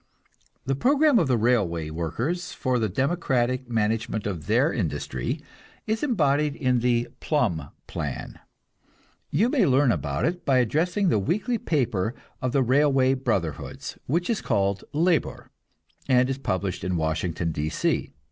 The program of the railway workers for the democratic management of their industry is embodied in the Plumb plan. You may learn about it by addressing the weekly paper of the railway brotherhoods, which is called "Labor," and is published in Washington, D. C.